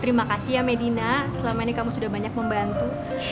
terima kasih ya medina selama ini kamu sudah banyak membantu